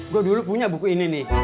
gue dulu punya buku ini nih